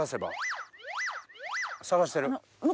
探してる。